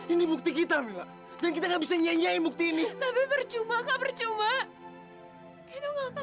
ini bukti kita dan kita nggak bisa nyanyi bukti ini tapi percuma percuma percuma